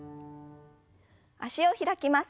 脚を開きます。